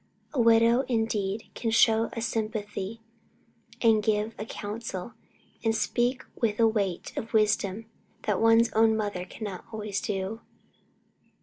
A widow indeed can show a sympathy, and give a counsel, and speak with a weight of wisdom that one's own mother cannot always do.